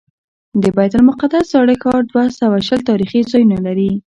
د بیت المقدس زاړه ښار دوه سوه شل تاریخي ځایونه لري.